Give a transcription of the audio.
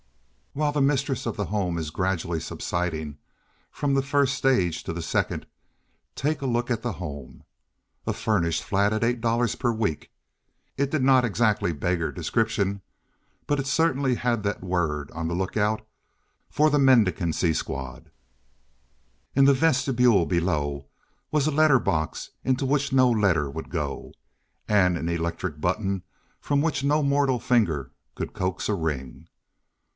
While the mistress of the home is gradually subsiding from the first stage to the second, take a look at the home. A furnished flat at $8 per week. It did not exactly beggar description, but it certainly had that word on the lookout for the mendicancy squad. In the vestibule below was a letter box into which no letter would go, and an electric button from which no mortal finger could coax a ring.